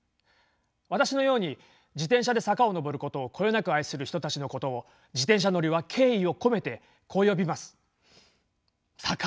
私のように自転車で坂を上ることをこよなく愛する人たちのことを自転車乗りは敬意を込めてこう呼びます。